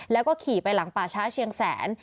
แล้วก็ขี่ไปหลังป่าช้าเชียงแสน